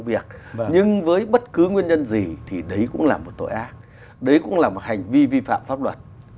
việc nhưng với bất cứ nguyên nhân gì thì đấy cũng là một tội ác đấy cũng là một hành vi vi phạm pháp luật